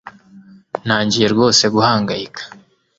ntangiye rwose guhangayika